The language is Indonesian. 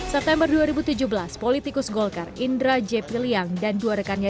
september dua ribu tujuh belas politikus golkar indra j piliang dan dua rekannya